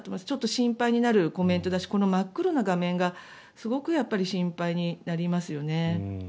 ちょっと心配になるコメントだしこの真っ黒な画面がすごく心配になりますよね。